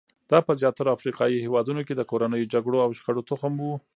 دا په زیاترو افریقایي هېوادونو کې د کورنیو جګړو او شخړو تخم وو.